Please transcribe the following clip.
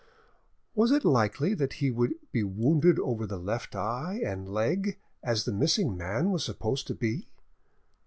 Was it likely that he would be wounded over the left eye and leg as the missing man was supposed to be?